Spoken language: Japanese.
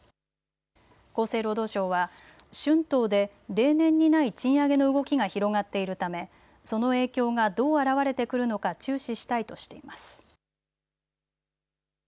厚生労働省は春闘で例年にない賃上げの動きが広がっているためその影響がどう現れてくるのか注視したいとしています。